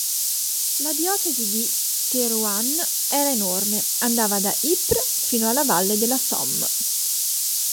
La diocesi di Thérouanne era enorme: andava da Ypres fino alla valle della Somme.